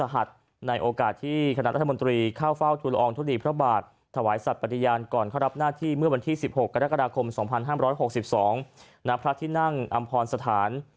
ราชหัสในโอกาสที่คณะรัฐมนตรีเข้าเฝ้าทุลองทุลีพระบาทถวายสัตว์ปฏิญาณก่อนเขารับหน้าที่เมื่อวันที่๑๖กรกฎาคม๒๕๖๒ณพระทินั่งอำพลสถาน